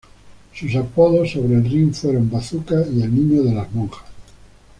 Sus apodos sobre el ring fueron "Bazooka" y "El niño de Las Monjas".